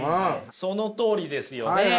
そのとおりですよね！